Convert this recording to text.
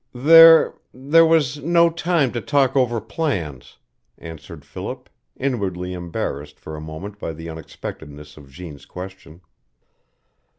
"There there was no time to talk over plans," answered Philip, inwardly embarrassed for a moment by the unexpectedness of Jeanne's question.